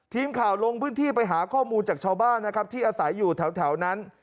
ทีมข่าวลงพื้นที่ไปหาข้อมูลจากชาวบ้านนะครับที่อาศัยอยู่แถวนั้น